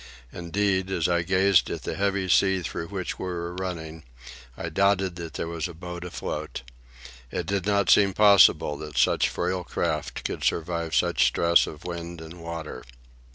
Indeed, as I gazed at the heavy sea through which we were running, I doubted that there was a boat afloat. It did not seem possible that such frail craft could survive such stress of wind and water.